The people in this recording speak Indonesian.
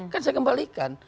kan saya kembalikan